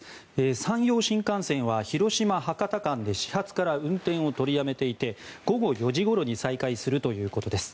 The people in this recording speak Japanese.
山陽新幹線は広島博多間で始発から運転を取りやめていて午後４時ごろに再開するということです。